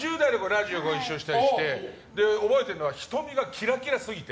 ラジオご一緒したりして覚えているのは瞳がキラキラすぎて。